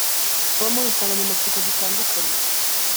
habamo insanganyamatsiko zitandukanye